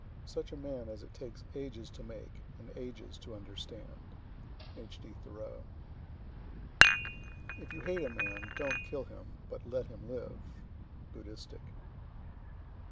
Such a man as it takes ages to make, and ages to understand. H. D. Thoreau. If you hate a man, don't kill him, but let him live. _Buddhistic.